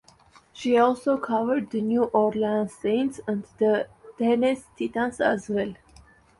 She also covered the New Orleans Saints and the Tennessee Titans as well.